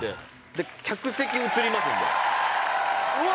「で客席映りますんで」